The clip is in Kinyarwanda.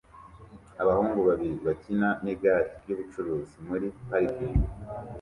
Abahungu babiri bakina nigare ryubucuruzi muri parikingi